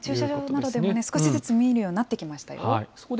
駐車場などでも、少しずつ見えるようになってきましたよ。